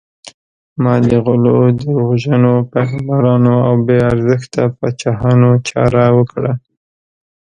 ما د غلو، دروغجنو پیغمبرانو او بې ارزښته پاچاهانو چاره وکړه.